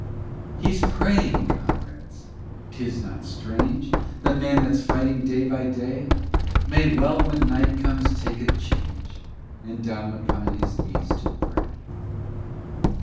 He's praying, comrades; 'tis not strange; The man that's fighting day by day May well, when night comes, take a change, And down upon his knees to pray.